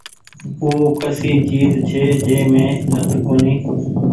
او ڪسي چئيز ڇي جي مين رت ڪونيٚ ۔